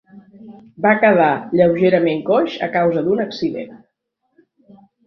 Va quedar lleugerament coix a causa d'un accident.